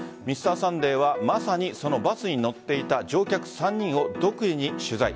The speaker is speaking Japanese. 「Ｍｒ．サンデー」はまさにそのバスに乗っていた乗客３人を独自に取材。